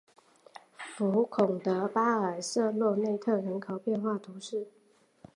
福孔德巴尔瑟洛内特人口变化图示